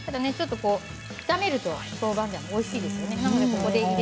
炒めると豆板醤おいしいですよね。